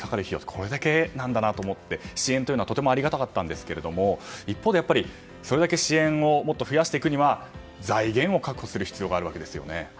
これだけなんだなと思って支援というのはとてもありがたかったんですけれども一方でそれだけ支援を増やしていくには財源を確保する必要があるわけですね。